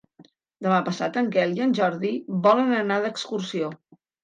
Demà passat en Quel i en Jordi volen anar d'excursió.